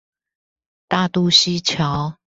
大肚溪橋